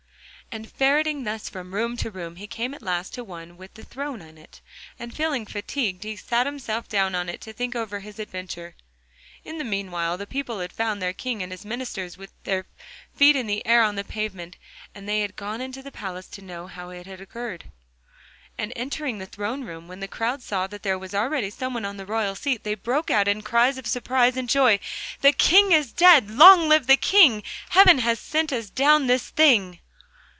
And ferreting thus from room to room he came at last to the one with the throne in it, and feeling fatigued, he sat himself down on it to think over his adventure. In the meanwhile the people had found their King and his ministers with their feet in the air on the pavement, and they had gone into the palace to know how it had occurred. On entering the throne room, when the crowd saw that there was already someone on the royal seat, they broke out in cries of surprise and joy: 'The King is dead, long live the King! Heaven has sent us down this thing.